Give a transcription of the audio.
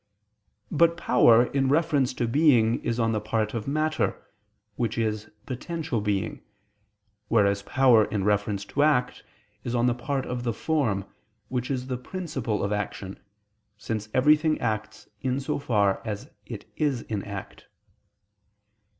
But power in reference to being is on the part of matter, which is potential being, whereas power in reference to act, is on the part of the form, which is the principle of action, since everything acts in so far as it is in act.